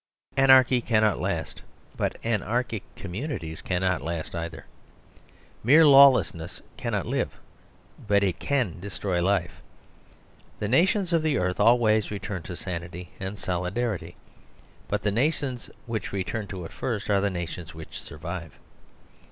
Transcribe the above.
Anarchy cannot last, but anarchic communi ties cannot last either. Mere lawlessness can not live, but it can destroy life. The nations of the earth always return to sanity and soli darity; but the nations which return to it first are the nations which survive.